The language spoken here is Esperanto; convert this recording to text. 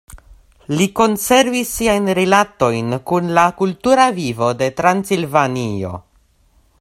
Li konservis siajn rilatojn kun la kultura vivo de Transilvanio.